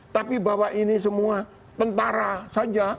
tapi bahwa ini semua tentara saja